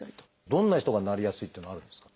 どんな人がなりやすいっていうのはあるんですか？